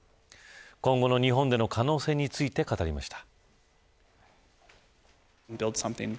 今後の日本での可能性について語りました。